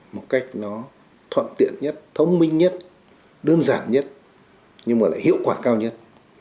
một cách nó thuận tiện nhất thông minh nhất đơn giản nhất nhưng mà lại hiệu quả cao nhất